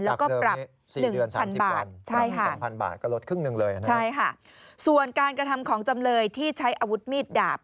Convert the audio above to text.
แล้วก็ปรับ๑๐๐๐บาทใช่ค่ะส่วนการกระทำของจำเลยที่ใช้อาวุธมีดดาบ